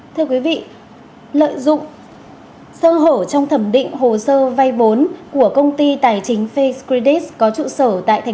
thưa quý vị lợi dụng sơ hổ trong thẩm định hồ sơ vay vốn của công ty tài chính facecredits có trụ sở tại tp hcm